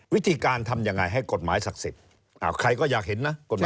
วิธีการทำยังไงให้กฎหมายศักดิ์สิทธิ์ใครก็อยากเห็นนะกฎหมาย